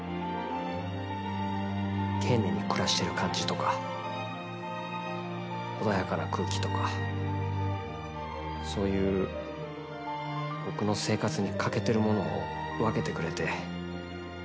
丁寧に暮らしてる感じとか穏やかな空気とかそういう僕の生活に欠けているものを分けてくれて。